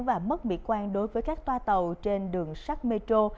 và mất mỹ quan đối với các toa tàu trên đường sắt metro